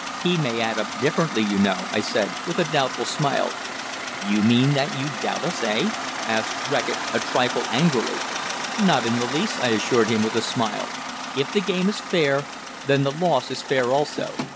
He may add up differently, you know," I said, with a doubtful smile. "You mean that you doubt us, eh?" asked Reckitt a trifle angrily. "Not in the least," I assured him, with a smile. "If the game is fair, then the loss is fair also.